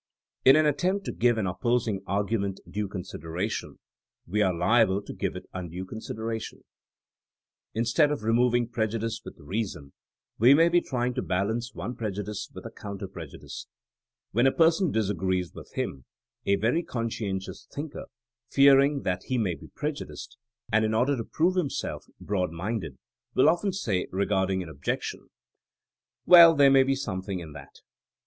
In an attempt to give an opposing argoment due consideration, wo are liable to give it undue consideration* Instead of removing prejudice with reason we may be trying to balance one prejudice with a counter prejudice. When a person disagrees with him, a very conscientious thinker, fearing that he may be prejudiced, and in order to prove him self broad minded, wUl often say regarding an objection, Well, there may be something in that.